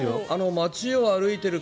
街を歩いている方